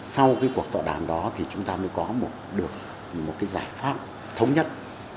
sau cái cuộc tọa đàm đó thì chúng ta mới có được một cái giải pháp thống nhất